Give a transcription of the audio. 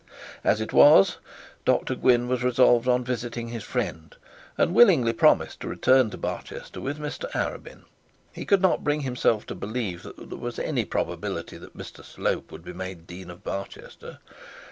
As it was, Dr Gwynne was resolved to visiting his friend, and willingly promised to return to Barchester with Mr Arabin. He could not bring himself to believe that there was any probability that Mr Slope would be made Dean of Barchester.